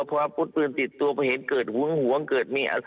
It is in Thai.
เพราะว่าอาวุธปืนติดตัวเพราะเห็นเกิดหึงหวงเกิดนี่